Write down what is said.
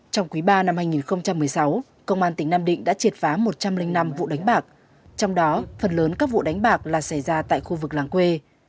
trong quý ba năm hai nghìn một mươi sáu công an tỉnh nam định đã triệt phá một trăm linh năm vụ đánh bạc trong đó phần lớn các vụ đánh bạc là xảy ra tại khu vực làng quê